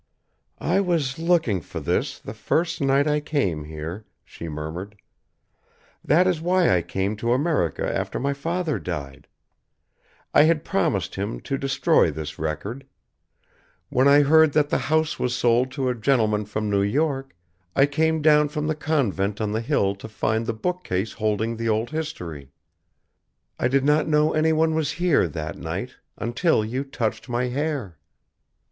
"I was looking for this, the first night I came here," she murmured. "That is why I came to America after my father died. I had promised him to destroy this record. When I heard that the house was sold to a gentleman from New York, I came down from the convent on the hill to find the bookcase holding the old history. I did not know anyone was here, that night, until you touched my hair."